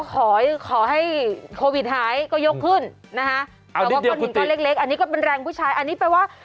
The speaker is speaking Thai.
ก็ขอให้โควิดหายก็ยกขึ้นนะฮะเอานิดเดียวคุณติก็เล็กอันนี้ก็เป็นแรงผู้ชายอันนี้แปลว่า